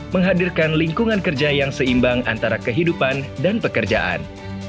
menghadirkan lingkungan kerja yang seimbang antara kehidupan dan pekerjaan